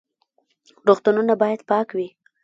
روغتونونه باید پاک وي